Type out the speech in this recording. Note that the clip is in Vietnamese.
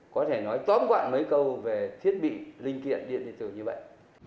có thể nói tóm quạn mấy câu về thiết bị linh kiện điện điện tử như vậy